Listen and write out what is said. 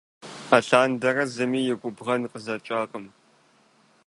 Алъандэрэ зыми и губгъэн къызэкӀакъым.